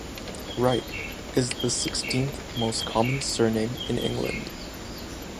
"Wright" is the sixteenth most common surname in England.